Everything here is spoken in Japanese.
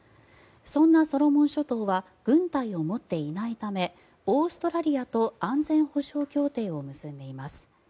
そんなソロモン諸島は軍隊を持っていないためオーストラリアと安全保障協定を結んでいます。